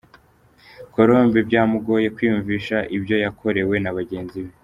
Colombe byamugoye kwiyumvisha ibyo yakorewe na bagenzi be.